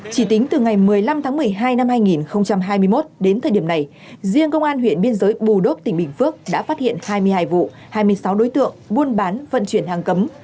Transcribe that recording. chỉ tính từ ngày một mươi năm tháng một mươi hai năm hai nghìn hai mươi một đến thời điểm này riêng công an huyện biên giới bù đốp tỉnh bình phước đã phát hiện hai mươi hai vụ hai mươi sáu đối tượng buôn bán vận chuyển hàng cấm